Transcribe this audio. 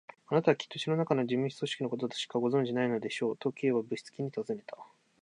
「あなたはきっと城のなかの事務組織のことだけしかご存じでないのでしょう？」と、Ｋ はぶしつけにたずねた。